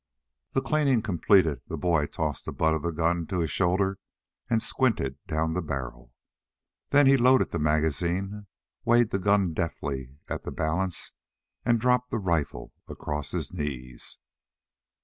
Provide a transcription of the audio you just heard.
The cleaning completed, the boy tossed the butt of the gun to his shoulder and squinted down the barrel. Then he loaded the magazine, weighted the gun deftly at the balance, and dropped the rifle across his knees.